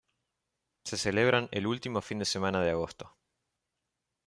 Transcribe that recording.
Se celebran el último fin de semana de agosto.